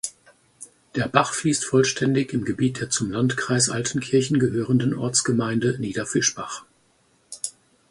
Der Bach fließt vollständig im Gebiet der zum Landkreis Altenkirchen gehörenden Ortsgemeinde Niederfischbach.